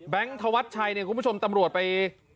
ธวัชชัยเนี่ยคุณผู้ชมตำรวจไป